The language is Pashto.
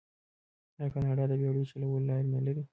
آیا کاناډا د بیړیو چلولو لارې نلري؟